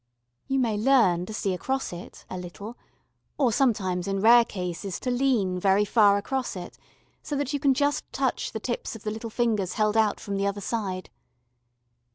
You may learn to see across it, a little, or sometimes in rare cases to lean very far across it so that you can just touch the tips of the little fingers held out from the other side.